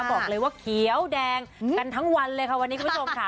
บอกเลยว่าเขียวแดงกันทั้งวันเลยค่ะวันนี้คุณผู้ชมค่ะ